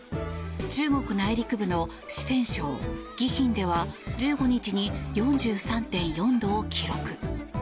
中国内陸部の四川省宜賓では１５日に４３．４度を記録。